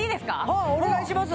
はいお願いします！